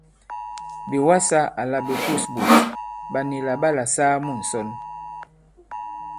Ɓè wasā àlà ɓè kûs ɓòt ɓà nì là ɓalà saa mu ŋ̀sɔn.